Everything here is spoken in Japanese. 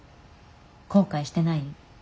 後悔してない？